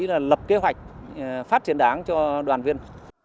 là lập kế hoạch phát triển đảng cho đoàn viên